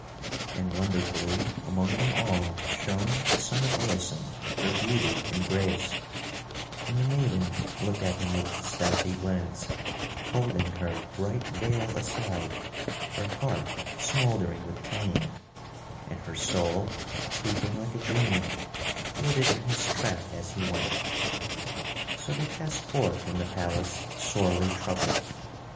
And wonderfully among them all shone the son of Aeson for beauty and grace; and the maiden looked at him with stealthy glance, holding her bright veil aside, her heart smouldering with pain; and her soul creeping like a dream flitted in his track as he went. So they passed forth from the palace sorely troubled.